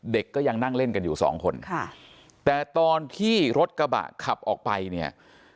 เด็กก็ยังนั่งเล่นกันอยู่สองคนค่ะแต่ตอนที่รถกระบะขับออกไปเนี่ย